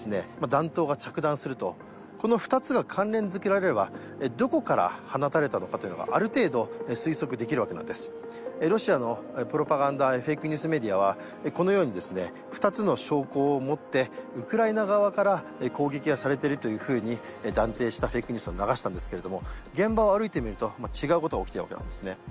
弾頭が着弾するとこの２つが関連づけられればどこから放たれたのかというのがある程度推測できるわけなんですロシアのプロパガンダフェイクニュースメディアはこのようにですね２つの証拠をもってウクライナ側から攻撃がされてるというふうに断定したフェイクニュースを流したんですけれども現場を歩いてみると違うことが起きてるわけなんですね